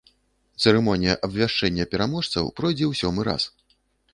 Цырымонія абвяшчэння пераможцаў пройдзе ў сёмы раз.